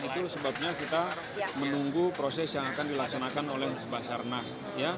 itu sebabnya kita menunggu proses yang akan dilaksanakan oleh basarnas